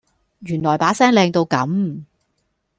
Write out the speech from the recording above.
原来把聲靚到咁